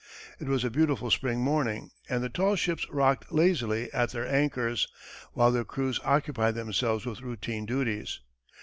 It was a beautiful spring morning, and the tall ships rocked lazily at their anchors, while their crews occupied themselves with routine duties.